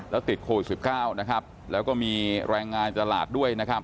แล้วติดโควิด๑๙แล้วก็มีแรงงานตลาดด้วย